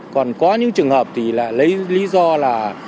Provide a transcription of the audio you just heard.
còn có những trường hợp thì là lấy lý do là